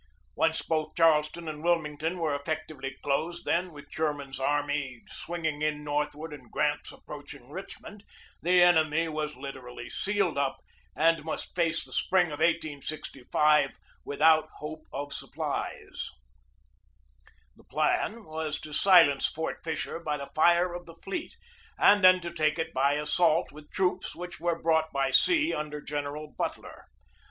Once both Charleston and Wilmington were effectually closed, then, with Sherman's army swinging in northward and Grant's approaching Richmond, the enemy was 122 THE BATTLE OF FORT FISHER 123 literally sealed up and must face the spring of 1865 without hope of supplies. The plan was to silence Fort Fisher by the fire of the fleet and then to take it by assault with troops which were brought by sea under General Butler.